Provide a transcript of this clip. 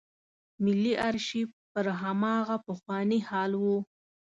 ملي آرشیف پر هماغه پخواني حال و.